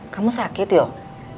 kamu sakit yuk